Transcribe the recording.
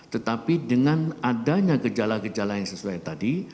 tetapi dengan adanya gejala gejala yang sesuai tadi